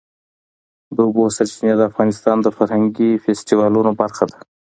د اوبو سرچینې د افغانستان د فرهنګي فستیوالونو برخه ده.